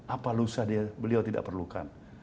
apa lusa beliau tidak perlukan